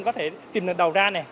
có thể tìm được đầu ra